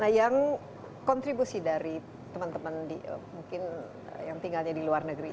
nah yang kontribusi dari teman teman mungkin yang tinggalnya di luar negeri